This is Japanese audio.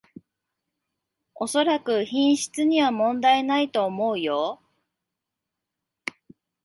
おそらく品質には問題ないと思うよ